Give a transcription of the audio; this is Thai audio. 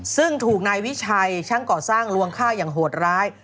ซึ่งถูกนายวิชัยช่างก่อสร้างลวงฆ่าอย่างโหดร้าย